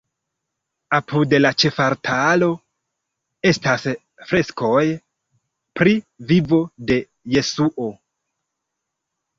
Apud la ĉefaltaro estas freskoj pri vivo de Jesuo.